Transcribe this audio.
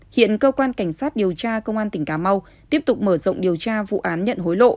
hiện cơ quan cảnh sát điều tra công an tỉnh cà mau tiếp tục mở rộng điều tra vụ án nhận hối lộ